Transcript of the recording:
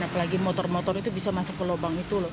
apalagi motor motor itu bisa masuk ke lubang itu loh